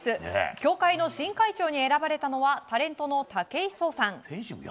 協会の新会長に選ばれたのはタレントの武井壮さん。